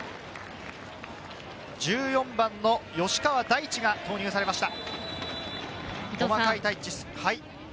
１４番の吉川大地が投入されました。